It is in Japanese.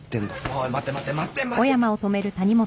おい待て待て待て待て待て。